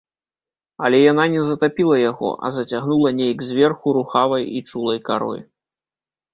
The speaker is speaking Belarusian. Але яна не затапіла яго, а зацягнула нейк зверху рухавай і чулай карой.